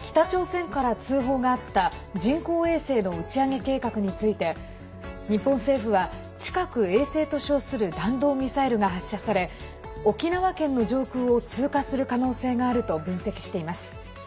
北朝鮮から通報があった人工衛星の打ち上げ計画について日本政府は近く、衛星と称する弾道ミサイルが発射され沖縄県の上空を通過する可能性があると分析しています。